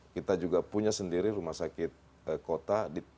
kita juga punya sendiri rumah sakit kota